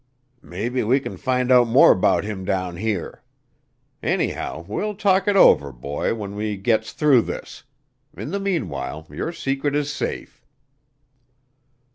"Maybe we can find out more 'bout him down here. Anyhow, we'll talk it over, boy, when we gits through this. In the meanwhile yer secret is safe."